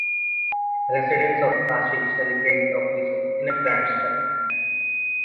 Residents of Kashi celebrate the occasion in a grand style.